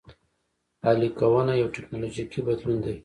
اهلي کونه یو ټکنالوژیکي بدلون دی